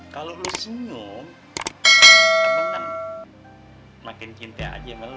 kalau lo senyum abang kan makin cinta aja sama lo